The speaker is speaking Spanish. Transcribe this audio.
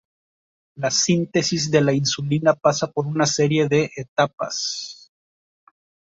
La síntesis de la insulina pasa por una serie de etapas.